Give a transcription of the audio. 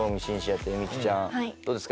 どうですか？